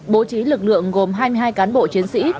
bố trí lực lượng gồm hai mươi hai cán bộ chiến sĩ